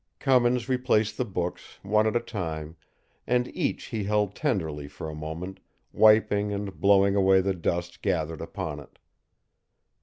Cummins replaced the books, one at a time, and each he held tenderly for a moment, wiping and blowing away the dust gathered upon it.